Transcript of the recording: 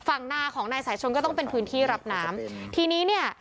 ฝั่งนาของนายสายชนก็ต้องเป็นพื้นที่รับน้ำทีนี้เนี่ย